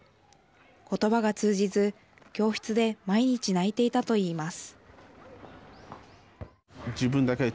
言葉が通じず教室で毎日泣いていたと言います。